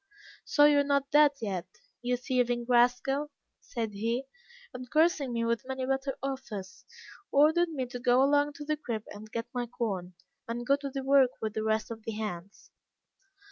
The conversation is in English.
"'So you are not dead yet, you thieving rascal,' said he, and cursing me with many bitter oaths, ordered me to go along to the crib and get my corn, and go to work with the rest of the hands.